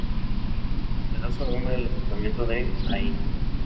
Le da su nombre al departamento de Ain.